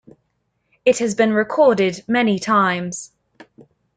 It has been recorded many times.